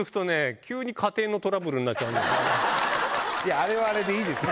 あれはあれでいいですよ。